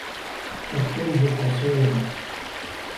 الثَّوْبُ قَصِيرٌ.